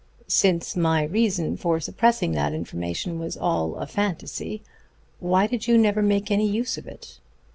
"Since my reason for suppressing that information was all a fantasy, why did you never make any use of it?